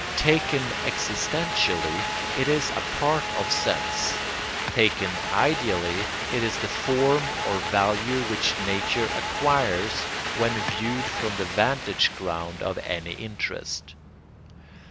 Taken existentially it is a part of sense; taken ideally it is the form or value which nature acquires when viewed from the vantage ground of any interest.